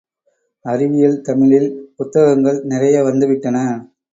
அறிவியல் தமிழில் புத்தகங்கள் நிறைய வந்துவிட்டன.